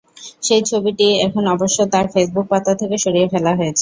সেই ছবিটি এখন অবশ্য তাঁর ফেসবুক পাতা থেকে সরিয়ে ফেলা হয়েছে।